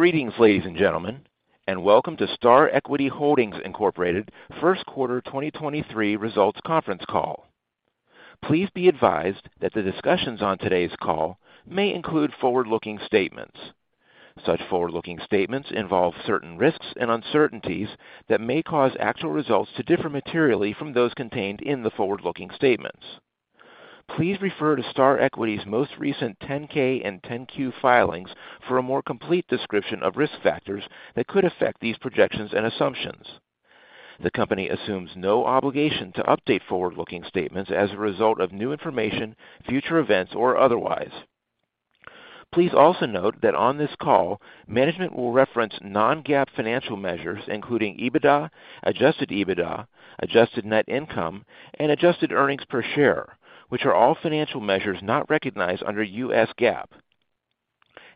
Greetings, ladies and gentlemen, welcome to Star Equity Holdings, Inc. First Quarter 2023 Results Conference Call. Please be advised that the discussions on today's call may include forward-looking statements. Such forward-looking statements involve certain risks and uncertainties that may cause actual results to differ materially from those contained in the forward-looking statements. Please refer to Star Equity's most recent 10-K and 10-Q filings for a more complete description of risk factors that could affect these projections and assumptions. The company assumes no obligation to update forward-looking statements as a result of new information, future events, or otherwise. Please also note that on this call, management will reference non-GAAP financial measures, including EBITDA, Adjusted EBITDA, Adjusted Net Income, and Adjusted Earnings Per Share, which are all financial measures not recognized under U.S. GAAP.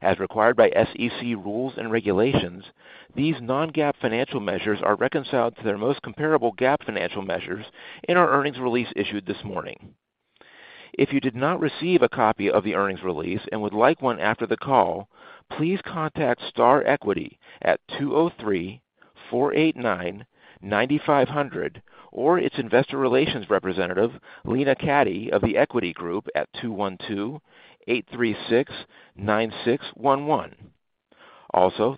As required by SEC rules and regulations, these non-GAAP financial measures are reconciled to their most comparable GAAP financial measures in our earnings release issued this morning. If you did not receive a copy of the earnings release and would like one after the call, please contact Star Equity at 203-489-9500, or its investor relations representative, Lena Cati of The Equity Group at 212-836-9611.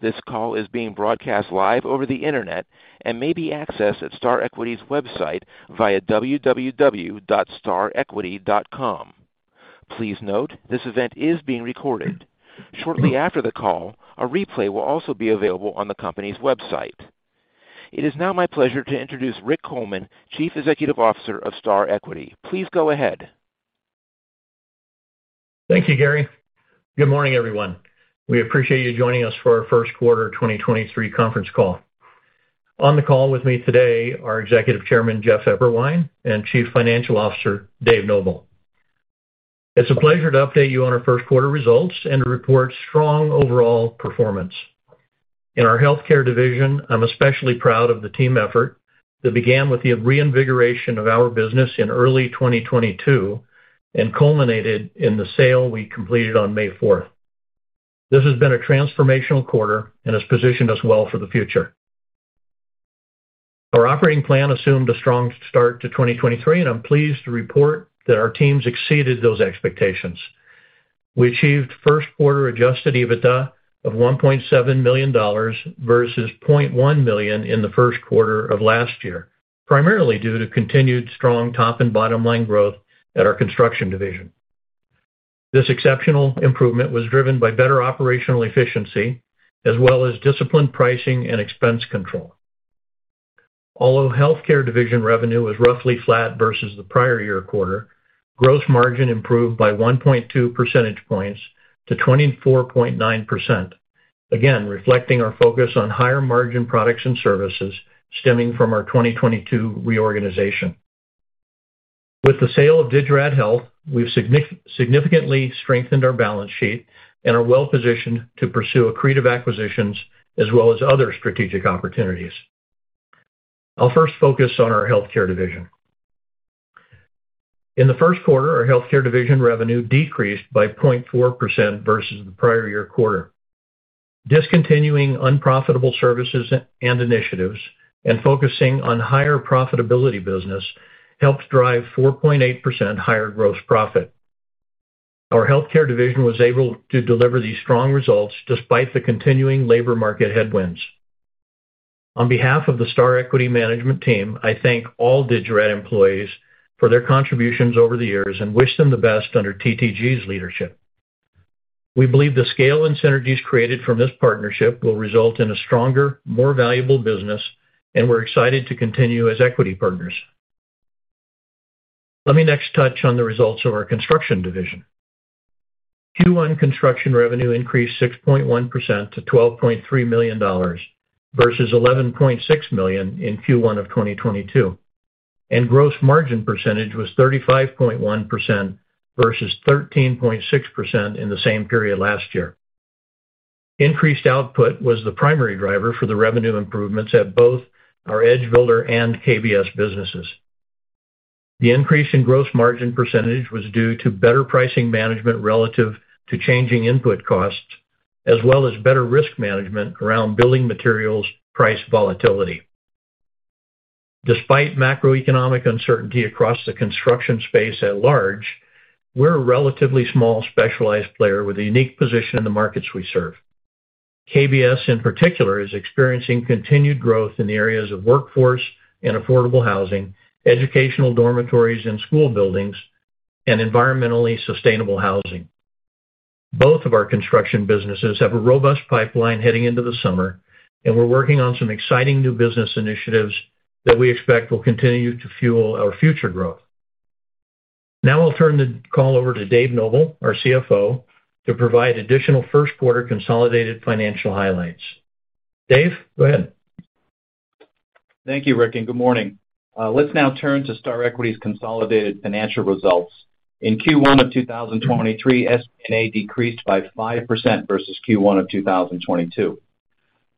This call is being broadcast live over the Internet and may be accessed at Star Equity's website via www.starequity.com. Please note this event is being recorded. Shortly after the call, a replay will also be available on the company's website. It is now my pleasure to introduce Rick Coleman, Chief Executive Officer of Star Equity. Please go ahead. Thank you, Gary. Good morning, everyone. We appreciate you joining us for our first quarter 2023 conference call. On the call with me today are Executive Chairman Jeff Eberwein and Chief Financial Officer Dave Noble. It's a pleasure to update you on our first quarter results and to report strong overall performance. In our healthcare division, I'm especially proud of the team effort that began with the reinvigoration of our business in early 2022 and culminated in the sale we completed on May 4th. This has been a transformational quarter and has positioned us well for the future. Our operating plan assumed a strong start to 2023, and I'm pleased to report that our teams exceeded those expectations. We achieved first quarter Adjusted EBITDA of $1.7 million versus $0.1 million in the first quarter of last year, primarily due to continued strong top and bottom-line growth at our construction division. This exceptional improvement was driven by better operational efficiency as well as disciplined pricing and expense control. Although healthcare division revenue was roughly flat versus the prior year quarter, gross margin improved by 1.2 percentage points to 24.9%. Again, reflecting our focus on higher margin products and services stemming from our 2022 reorganization. With the sale of Digirad Health, we've significantly strengthened our balance sheet and are well-positioned to pursue accretive acquisitions as well as other strategic opportunities. I'll first focus on our healthcare division. In the first quarter, our healthcare division revenue decreased by 0.4% versus the prior year quarter. Discontinuing unprofitable services and initiatives and focusing on higher profitability business helped drive 4.8% higher gross profit. Our healthcare division was able to deliver these strong results despite the continuing labor market headwinds. On behalf of the Star Equity management team, I thank all Digirad employees for their contributions over the years and wish them the best under TTG's leadership. We believe the scale and synergies created from this partnership will result in a stronger, more valuable business, and we're excited to continue as equity partners. Let me next touch on the results of our construction division. Q1 construction revenue increased 6.1% to $12.3 million versus $11.6 million in Q1 of 2022, and gross margin percentage was 35.1% versus 13.6% in the same period last year. Increased output was the primary driver for the revenue improvements at both our EdgeBuilder and KBS businesses. The increase in gross margin percentage was due to better pricing management relative to changing input costs, as well as better risk management around building materials price volatility. Despite macroeconomic uncertainty across the construction space at large, we're a relatively small specialized player with a unique position in the markets we serve. KBS, in particular, is experiencing continued growth in the areas of workforce and affordable housing, educational dormitories and school buildings, and environmentally sustainable housing. Both of our construction businesses have a robust pipeline heading into the summer, and we're working on some exciting new business initiatives that we expect will continue to fuel our future growth. Now I'll turn the call over to Dave Noble, our CFO, to provide additional first quarter consolidated financial highlights. Dave, go ahead. Thank you, Rick, and good morning. Let's now turn to Star Equity's consolidated financial results. In Q1 of 2023, SG&A decreased by 5% versus Q1 of 2022.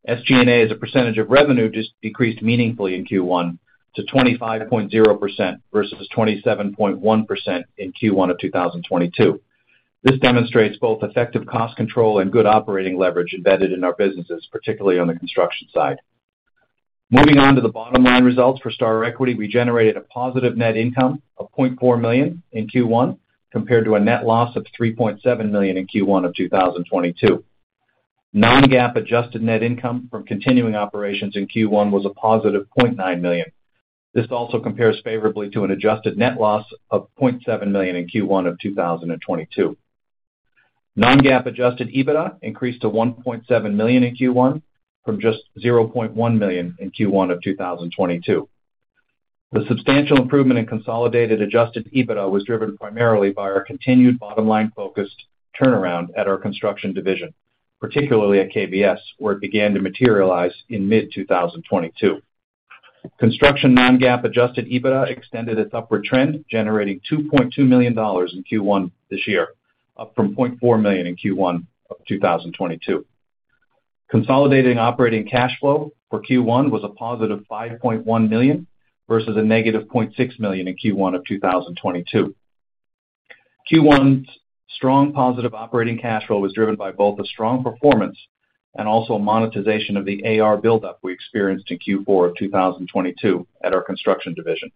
SG&A as a percentage of revenue just decreased meaningfully in Q1 to 25.0% versus 27.1% in Q1 of 2022. This demonstrates both effective cost control and good operating leverage embedded in our businesses, particularly on the construction side. Moving on to the bottom-line results for Star Equity. We generated a positive net income of $0.4 million in Q1 compared to a net loss of $3.7 million in Q1 of 2022. Non-GAAP adjusted net income from continuing operations in Q1 was a positive $0.9 million. This also compares favorably to an adjusted net loss of $0.7 million in Q1 of 2022. Non-GAAP Adjusted EBITDA increased to $1.7 million in Q1 from just $0.1 million in Q1 of 2022. The substantial improvement in consolidated Adjusted EBITDA was driven primarily by our continued bottom-line focused turnaround at our construction division, particularly at KBS, where it began to materialize in mid-2022. Construction non-GAAP Adjusted EBITDA extended its upward trend, generating $2.2 million in Q1 this year, up from $0.4 million in Q1 of 2022. Consolidating operating cash flow for Q1 was a positive $5.1 million versus a negative $0.6 million in Q1 of 2022. Q1's strong positive operating cash flow was driven by both the strong performance and also a monetization of the AR buildup we experienced in Q4 of 2022 at our construction division.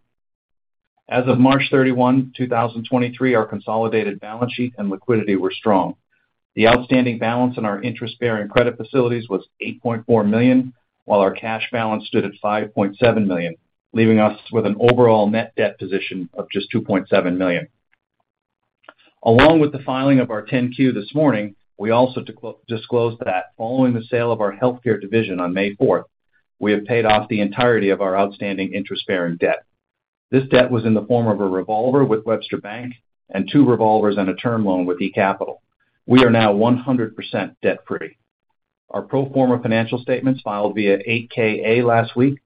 As of March 31, 2023, our consolidated balance sheet and liquidity were strong. The outstanding balance in our interest-bearing credit facilities was $8.4 million, while our cash balance stood at $5.7 million, leaving us with an overall net debt position of just $2.7 million. Along with the filing of our 10-Q this morning, we also disclosed that following the sale of our healthcare division on May 4, we have paid off the entirety of our outstanding interest-bearing debt. This debt was in the form of a revolver with Webster Bank and two revolvers and a term loan with dCapital. We are now 100% debt-free. Our pro forma financial statements filed via Form 8-K/A last week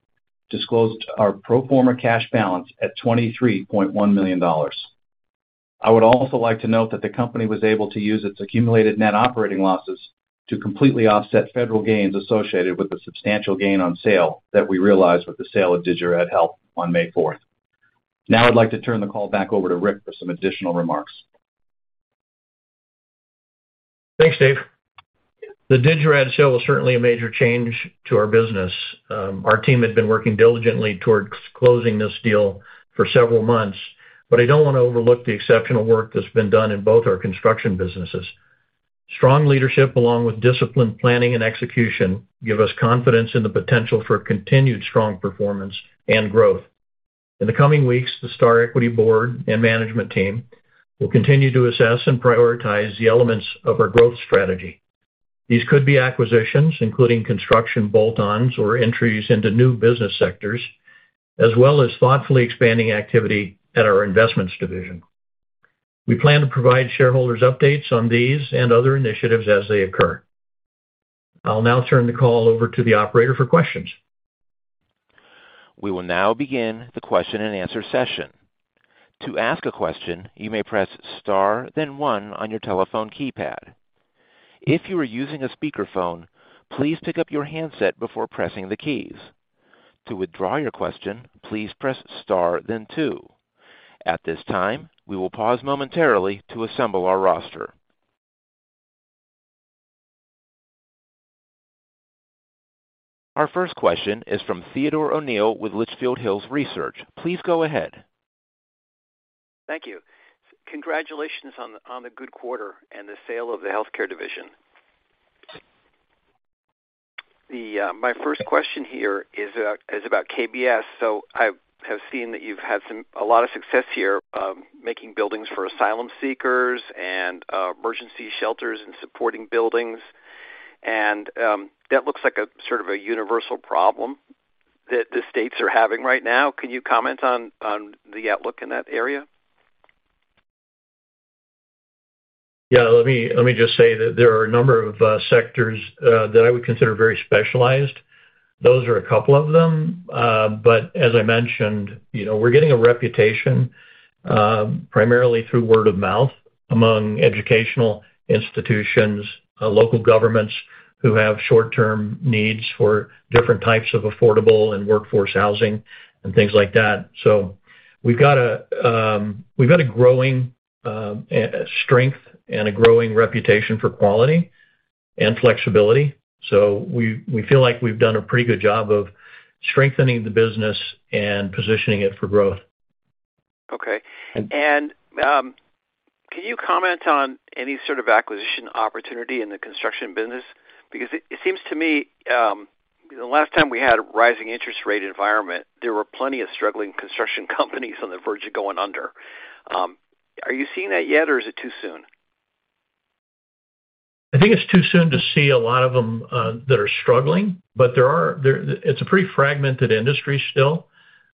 disclosed our pro forma cash balance at $23.1 million. I would also like to note that the company was able to use its accumulated Net Operating Losses to completely offset federal gains associated with the substantial gain on sale that we realized with the sale of Digirad Health on May 4th. I'd like to turn the call back over to Rick for some additional remarks. Thanks, Dave. The Digirad sale was certainly a major change to our business. Our team had been working diligently towards closing this deal for several months, but I don't want to overlook the exceptional work that's been done in both our construction businesses. Strong leadership along with disciplined planning and execution give us confidence in the potential for continued strong performance and growth. In the coming weeks, the Star Equity board and management team will continue to assess and prioritize the elements of our growth strategy. These could be acquisitions, including construction bolt-ons or entries into new business sectors, as well as thoughtfully expanding activity at our investments division. We plan to provide shareholders updates on these and other initiatives as they occur. I'll now turn the call over to the operator for questions. We will now begin the question-and-answer session. To ask a question, you may press star then one on your telephone keypad. If you are using a speakerphone, please pick up your handset before pressing the keys. To withdraw your question, please press star then two. At this time, we will pause momentarily to assemble our roster. Our first question is from Theodore O'Neill with Litchfield Hills Research. Please go ahead. Thank you. Congratulations on the good quarter and the sale of the healthcare division. The. My first question here is about KBS. I have seen that you've had a lot of success here, making buildings for asylum seekers and emergency shelters and supporting buildings. That looks like a sort of a universal problem that the states are having right now. Can you comment on the outlook in that area? Yeah. Let me just say that there are a number of sectors that I would consider very specialized. Those are a couple of them. As I mentioned, you know, we're getting a reputation primarily through word of mouth among educational institutions, local governments who have short-term needs for different types of affordable and workforce housing and things like that. We've got a growing strength and a growing reputation for quality and flexibility. We feel like we've done a pretty good job of strengthening the business and positioning it for growth. Okay. Can you comment on any sort of acquisition opportunity in the construction business? Because it seems to me, the last time we had a rising interest rate environment, there were plenty of struggling construction companies on the verge of going under. Are you seeing that yet, or is it too soon? I think it's too soon to see a lot of them that are struggling, but there are. It's a pretty fragmented industry still.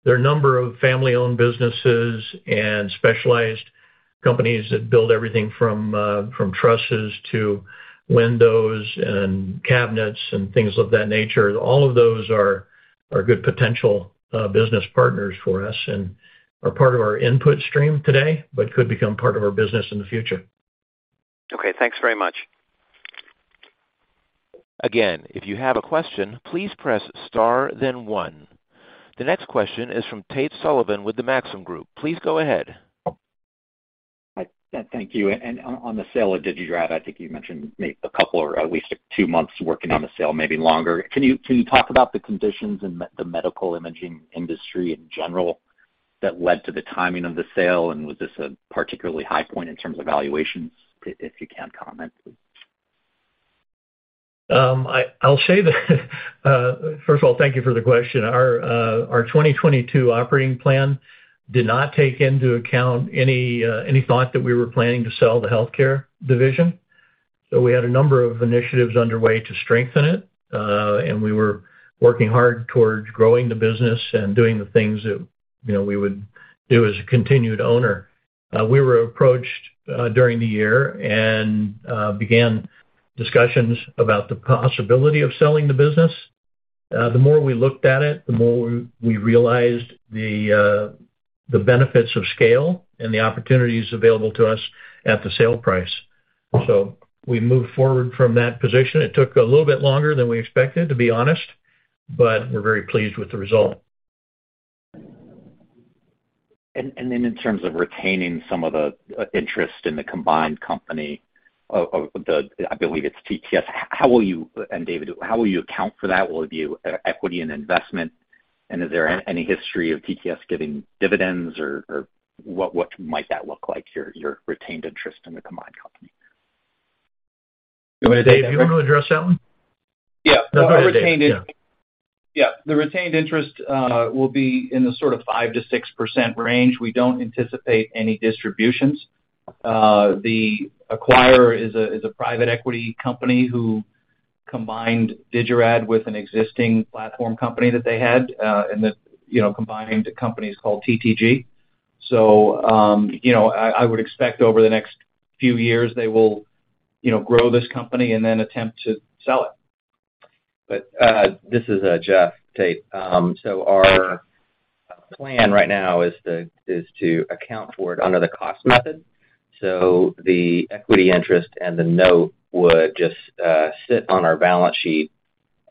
There are a number of family-owned businesses and specialized companies that build everything from trusses to windows and cabinets and things of that nature. All of those are good potential business partners for us and are part of our input stream today, but could become part of our business in the future. Okay, thanks very much. Again, if you have a question, please press Star then one. The next question is from Tate Sullivan with the Maxim Group. Please go ahead. Hi. Thank you. On the sale of Digirad, I think you mentioned maybe a couple or at least two months working on the sale, maybe longer. Can you talk about the conditions in the medical imaging industry in general that led to the timing of the sale? Was this a particularly high point in terms of valuations, if you can comment, please? I'll say that, first of all, thank you for the question. Our 2022 operating plan did not take into account any thought that we were planning to sell the healthcare division. We had a number of initiatives underway to strengthen it, and we were working hard towards growing the business and doing the things that, you know, we would do as a continued owner. We were approached during the year and began discussions about the possibility of selling the business. The more we looked at it, the more we realized the benefits of scale and the opportunities available to us at the sale price. We moved forward from that position. It took a little bit longer than we expected, to be honest, but we're very pleased with the result. Then in terms of retaining some of the interest in the combined company of the, I believe it's TTG. Dave, how will you account for that? Will it be equity and investment, and is there any history of TTG giving dividends or what might that look like, your retained interest in the combined company? You want me, Dave, do you want to address that one? Yeah. Go ahead, Dave. Yeah. Yeah. The retained interest will be in the sort of 5%-6% range. We don't anticipate any distributions. The acquirer is a private equity company who combined Digirad with an existing platform company that they had, and the, you know, combined the company is called TTG. You know, I would expect over the next few years they will, you know, grow this company and then attempt to sell it. This is Jeff, Tate. Our plan right now is to account for it under the cost method. The equity interest and the note would just sit on our balance sheet,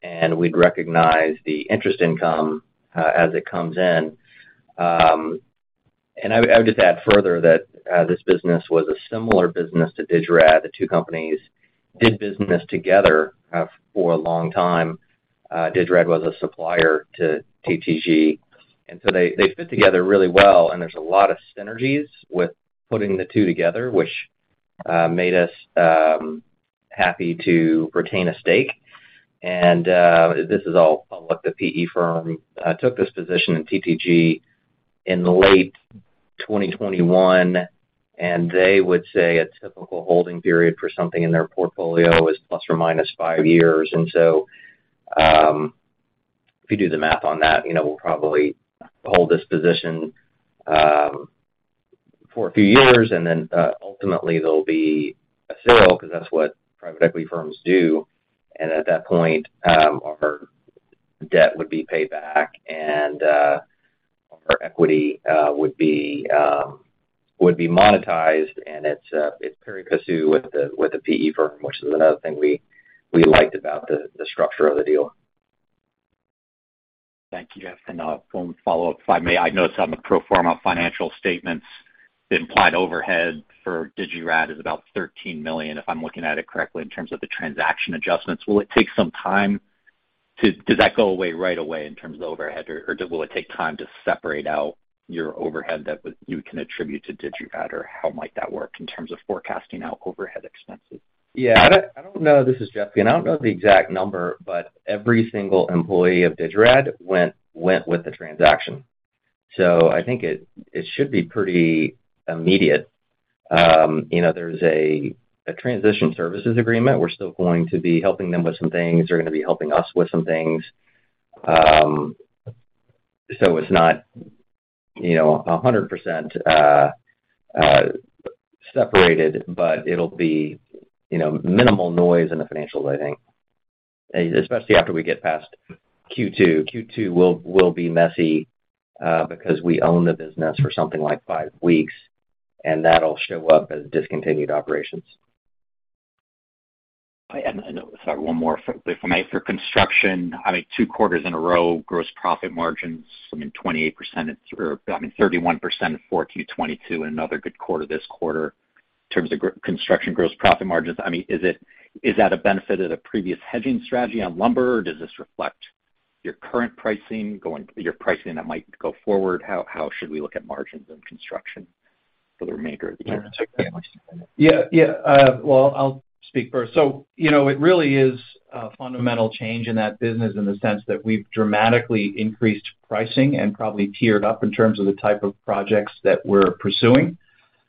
and we'd recognize the interest income as it comes in. I would just add further that this business was a similar business to Digirad. The two companies did business together for a long time. Digirad was a supplier to TTG, they fit together really well, and there's a lot of synergies with putting the two together, which made us happy to retain a stake. This is all public. The PE firm took this position in TTG in late 2021, and they would say a typical holding period for something in their portfolio is ±5 years. If you do the math on that, you know, we'll probably hold this position for a few years, and then, ultimately there'll be a sale because that's what private equity firms do. Our debt would be paid back and our equity would be monetized. It's pari passu with the, with the PE firm, which is another thing we liked about the structure of the deal. Thank you, Jeff. One follow-up, if I may. I noticed on the pro forma financial statements, the implied overhead for Digirad is about $13 million, if I'm looking at it correctly, in terms of the transaction adjustments. Does that go away right away in terms of overhead or will it take time to separate out your overhead that you can attribute to Digirad or how might that work in terms of forecasting out overhead expenses? I don't know. This is Jeff again. I don't know the exact number, but every single employee of Digirad went with the transaction. I think it should be pretty immediate. You know, there's a transition services agreement. We're still going to be helping them with some things. They're gonna be helping us with some things. It's not, you know, 100% separated, but it'll be, you know, minimal noise in the financial living, especially after we get past Q2. Q2 will be messy because we own the business for something like 5 weeks, and that'll show up as discontinued operations. I know. Sorry, one more, if I may. For construction, I mean, two quarters in a row, gross profit margins, I mean, 28% or, I mean, 31% in 4Q 2022 and another good quarter this quarter in terms of construction gross profit margins. I mean, is that a benefit of the previous hedging strategy on lumber, or does this reflect your current pricing that might go forward? How should we look at margins in construction for the remainder of the year? Yeah. Yeah. Well, I'll speak first. You know, it really is a fundamental change in that business in the sense that we've dramatically increased pricing and probably tiered up in terms of the type of projects that we're pursuing.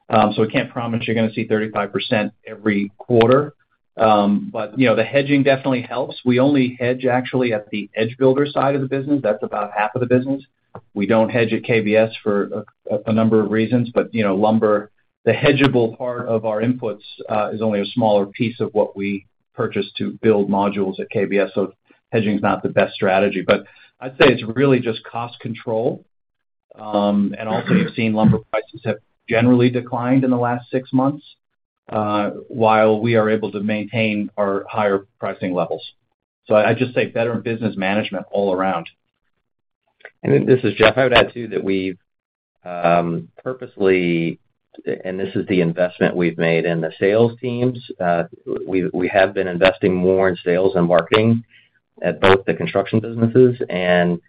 I can't promise you're gonna see 35% every quarter. You know, the hedging definitely helps. We only hedge actually at the EdgeBuilder side of the business. That's about half of the business. We don't hedge at KBS for a number of reasons. You know, lumber, the hedgeable part of our inputs, is only a smaller piece of what we purchase to build modules at KBS, so hedging is not the best strategy. I'd say it's really just cost control Also, you've seen lumber prices have generally declined in the last six months, while we are able to maintain our higher pricing levels. I'd just say better business management all around. This is Jeff. I would add too that we've purposely, and this is the investment we've made in the sales teams. We have been investing more in sales and marketing at both the construction businesses, and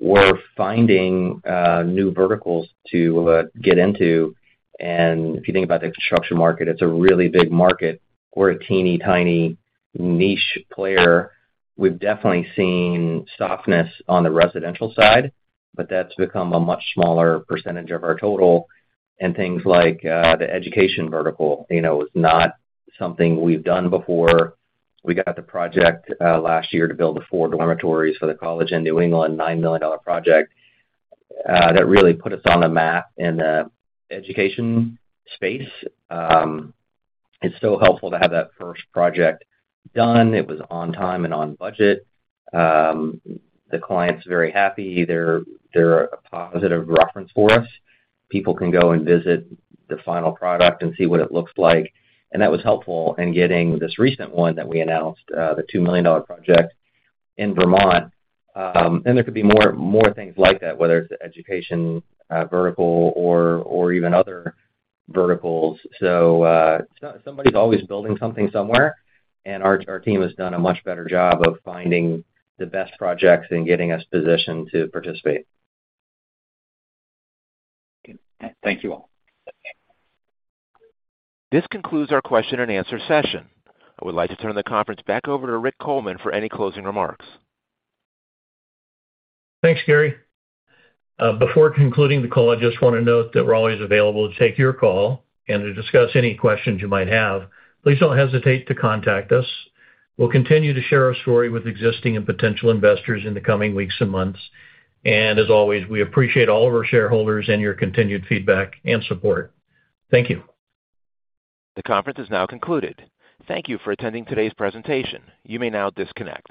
we're finding new verticals to get into. If you think about the construction market, it's a really big market. We're a teeny-tiny niche player. We've definitely seen softness on the residential side, but that's become a much smaller percentage of our total. Things like the education vertical, you know, is not something we've done before. We got the project last year to build the four dormitories for the college in New England, $9 million project. That really put us on the map in the education space. It's so helpful to have that first project done. It was on time and on budget. The client's very happy. They're a positive reference for us. People can go and visit the final product and see what it looks like. That was helpful in getting this recent one that we announced, the $2 million project in Vermont. There could be more things like that, whether it's the education, vertical or even other verticals. Somebody's always building something somewhere, and our team has done a much better job of finding the best projects and getting us positioned to participate. Thank you all. This concludes our question and answer session. I would like to turn the conference back over to Rick Coleman for any closing remarks. Thanks, Gary. Before concluding the call, I just wanna note that we're always available to take your call and to discuss any questions you might have. Please don't hesitate to contact us. We'll continue to share our story with existing and potential investors in the coming weeks and months. As always, we appreciate all of our shareholders and your continued feedback and support. Thank you. The conference is now concluded. Thank you for attending today's presentation. You may now disconnect.